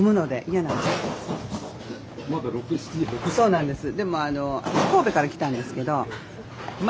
そうなんです。